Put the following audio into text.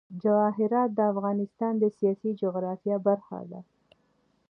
جواهرات د افغانستان د سیاسي جغرافیه برخه ده.